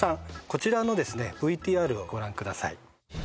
こちらのＶＴＲをご覧ください